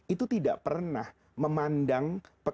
itu tidak pernah memandang